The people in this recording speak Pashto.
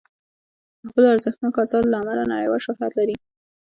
د خپلو ارزښتناکو اثارو له امله نړیوال شهرت لري.